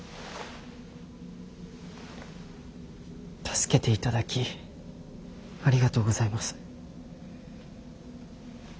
助けていただきありがとうございます。